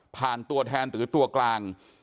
ตัวแทนหรือตัวกลาง